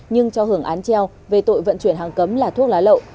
nhưng cho hưởng án treo về tội vận chuyển hàng cấm là thuốc lá lậu